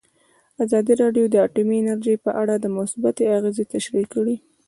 ازادي راډیو د اټومي انرژي په اړه مثبت اغېزې تشریح کړي.